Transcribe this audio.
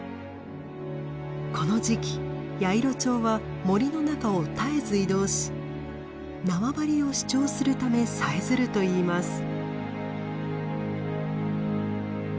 この時期ヤイロチョウは森の中を絶えず移動し縄張りを主張するためさえずるといいます。